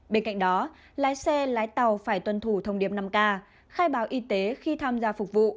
bên cạnh đó lái xe lái tàu phải tuân thủ thông điệp năm k khai báo y tế khi tham gia phục vụ